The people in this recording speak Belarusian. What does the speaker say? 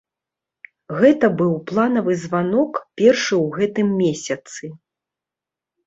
Гэта быў планавы званок, першы ў гэтым месяцы.